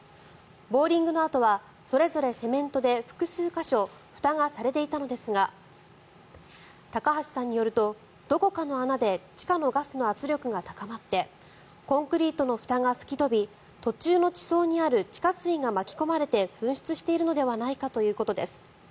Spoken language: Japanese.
ボーリングの跡はそれぞれセメントで複数箇所ふたがされていたのですが高橋さんによるとどこかの穴で地下のガスの圧力が高まってコンクリートのふたが吹き飛び途中の地層にある地下水が巻き込まれて噴出しているのではないかということです。